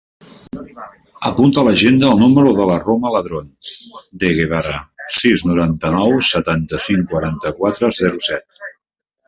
Apunta a l'agenda el número de la Roma Ladron De Guevara: sis, noranta-nou, setanta-cinc, quaranta-quatre, zero, set.